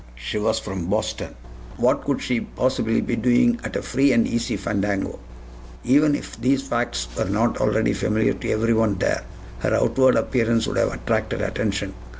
She was from Boston. What could she possibly be doing at a free and easy fandango? Even if these facts were not already familiar to everyone there, her outward appearance would have attracted attention.